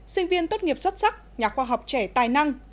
sinh viên tốt nghiệp xuất sắc nhà khoa học trẻ tài năng